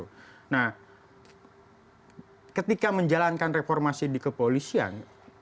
karena ketika menjalankan reformasi di kepolisian